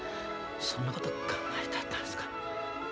そんなこと考えてはったんですか。